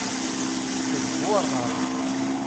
D bu ṛṛay!